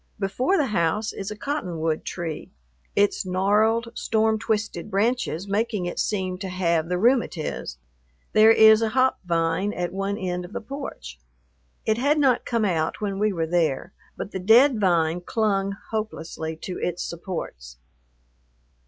Before the house is a cotton wood tree, its gnarled, storm twisted branches making it seem to have the "rheumatiz." There is a hop vine at one end of the porch. It had not come out when we were there, but the dead vine clung hopelessly to its supports.